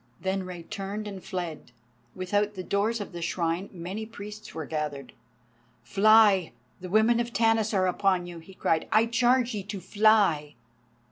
Then Rei turned and fled. Without the doors of the Shrine many priests were gathered. "Fly! the women of Tanis are upon you!" he cried. "I charge ye to fly!"